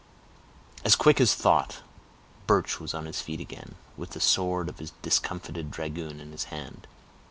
As quick as thought, Birch was on his feet again, with the sword of the discomfited dragoon in his hand.